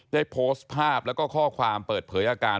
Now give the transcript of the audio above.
ได้โพสต์ภาพแล้วก็ข้อความเปิดเผยอาการ